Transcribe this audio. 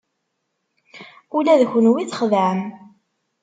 Ula d kenwi txedɛem!